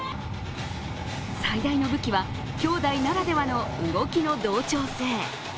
最大の武器は、きょうだいならではの動きの同調性。